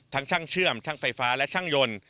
ช่างเชื่อมช่างไฟฟ้าและช่างยนต์